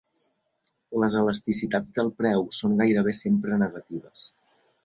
Les elasticitats del preu són gairebé sempre negatives.